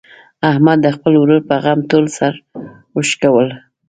احمد د خپل ورور په غم ټول سر و شکولو.